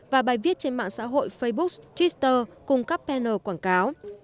và bài viết trên mạng xã hội facebook twitter cùng các panel quảng cáo